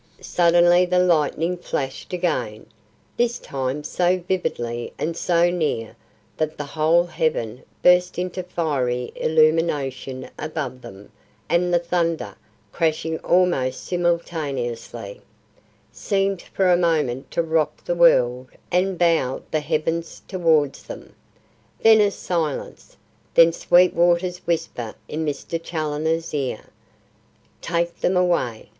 Suddenly the lightning flashed again, this time so vividly and so near that the whole heaven burst into fiery illumination above them and the thunder, crashing almost simultaneously, seemed for a moment to rock the world and bow the heavens towards them. Then a silence; then Sweetwater's whisper in Mr. Challoner's ear: "Take them away!